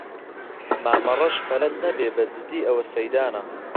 مامەڕەش پەلەت نەبێ بە جەددی ئەو سەیدانە